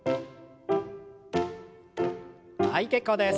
はい結構です。